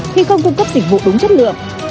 khi không cung cấp dịch vụ đúng chất lượng